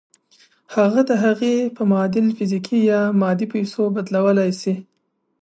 هغه د هغې په معادل فزيکي يا مادي پيسو بدلولای شئ.